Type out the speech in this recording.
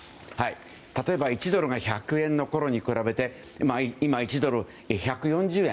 例えば１ドルが１００円のころに比べて今、１ドル＝１４０円。